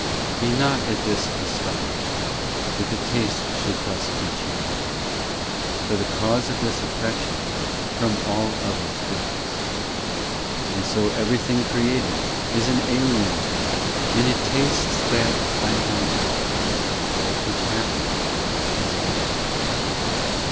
* IV Be not at this astonished, That the taste should thus be changed For the cause of this affection From all others differs. And so every thing created Is an alien to it ; And it tastes that I know not, Which happily is found.